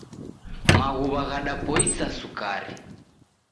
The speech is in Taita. Maghuw'a ghadapoisa sukari.